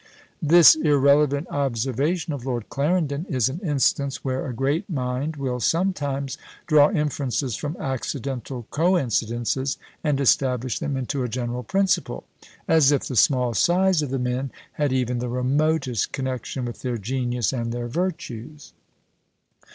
This irrelevant observation of Lord Clarendon is an instance where a great mind will sometimes draw inferences from accidental coincidences, and establish them into a general principle; as if the small size of the men had even the remotest connexion with their genius and their virtues.